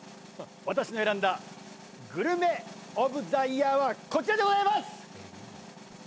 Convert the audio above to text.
私の選んだグルメオブ・ザ・イヤーはこちらでございます！